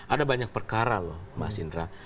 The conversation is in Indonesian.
ada banyak perkara loh mas indra